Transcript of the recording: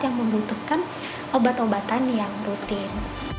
yang membutuhkan obat obatan yang rutin